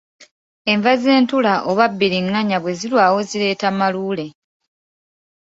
Enva z’entula oba bbiriŋŋanya bwe zirwawo zireeta Malule.